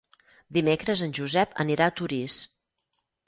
Dimecres en Josep anirà a Torís.